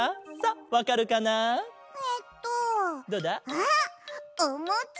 あっおもち！